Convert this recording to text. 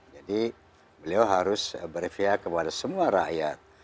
jadi beliau harus berfiak kepada semua rakyat